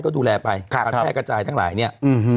ก็ดูแลไปการแพร่กระจายทั้งหลายเนี่ย